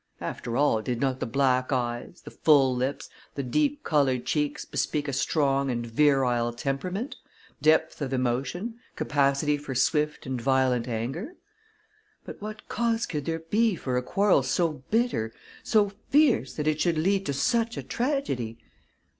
After all, did not the black eyes, the full lips, the deep colored cheeks bespeak a strong and virile temperament, depth of emotion, capacity for swift and violent anger? But what cause could there be for a quarrel so bitter, so fierce, that it should lead to such a tragedy?